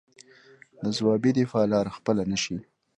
د ځوابي دفاع لاره خپله نه شي.